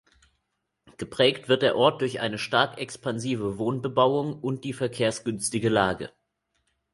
Geprägt wird der Ort durch eine stark expansive Wohnbebauung und die verkehrsgünstige Lage.